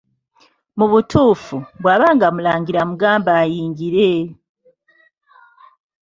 Mu butuufu, bwaba nga mulangira mugambe ayingire.